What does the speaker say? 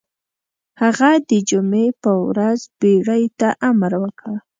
هغه د جمعې په ورځ بېړۍ ته امر وکړ.